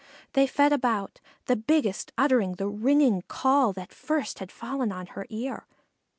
They fed about, the biggest uttering the ringing call that first had fallen on her ear.